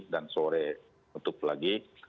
mereka tetap lagi